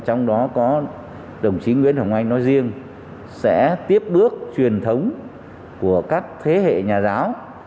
trong đó có đồng chí nguyễn hồng anh nói riêng sẽ tiếp bước truyền thống của các thế hệ nhà giáo